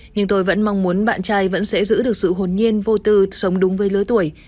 nhưng tôi vẫn mong muốn bạn trai vẫn sẽ giữ được sự hồn nhiên vô tư sống đúng với lứa tuổi